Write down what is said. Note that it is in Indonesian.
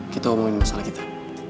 kita omongin masalah kita